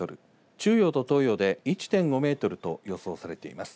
中予と東予で１．５メートルと予想されています。